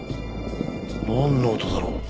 なんの音だろう？